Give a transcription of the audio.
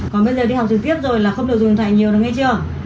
còn bây giờ đi học trực tiếp rồi là không được dùng điện thoại nhiều đâu nghe chưa